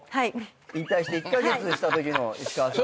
引退して１カ月でしたときの石川さん。